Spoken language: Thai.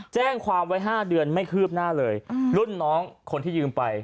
แจ้งความไว้๕เดือนไม่คืบหน้าเลยรุ่นน้องคนที่ยืมไป